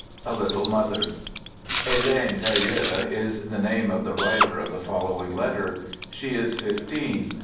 A LITTLE MOTHER Helene Payeur is the name of the writer of the following letter. She is fifteen.